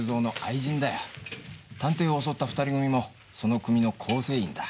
探偵を襲った２人組もその組の構成員だ。